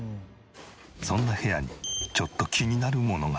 そんな部屋にちょっと気になるものが。